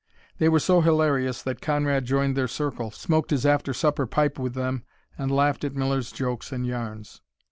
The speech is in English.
They were so hilarious that Conrad joined their circle, smoked his after supper pipe with them, and laughed at Miller's jokes and yarns.